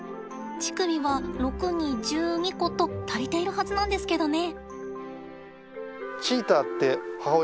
乳首は６×２１２個と足りているはずなんですけどね。